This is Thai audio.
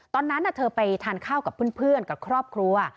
ตอนนั้นเธอไปทานข้าวกับเพื่อนกับครอบครัว